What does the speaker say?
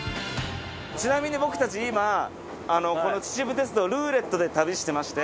ちなみに僕たち今この秩父鉄道ルーレットで旅してまして。